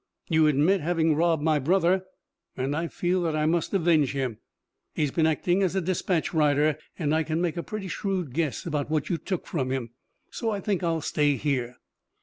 You admit having robbed my brother, and I feel that I must avenge him. He has been acting as a dispatch rider, and I can make a pretty shrewd guess about what you took from him. So I think I'll stay here."